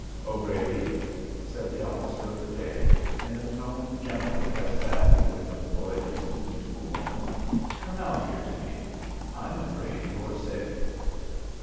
"O'Grady," said the officer of the day, in a tone gentle as that he would have employed in speaking to a woman, "come out here to me. I'm afraid you are sick."